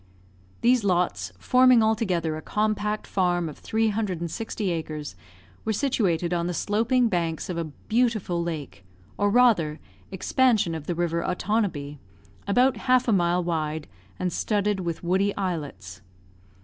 These lots, forming altogether a compact farm of three hundred and sixty acres, were situated on the sloping banks of a beautiful lake, or, rather, expansion of the river Otonabee, about half a mile wide, and studded with woody islets.